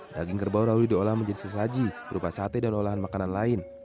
daging kerbau lalu diolah menjadi sesaji berupa sate dan olahan makanan lain